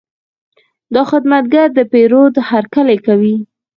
دا خدمتګر د پیرود هرکلی کوي.